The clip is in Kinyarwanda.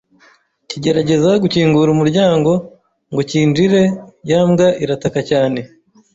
kigerageza gukingura umuryango ngo cyinjire ya mbwa irataka cyane